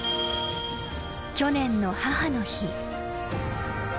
［去年の母の日］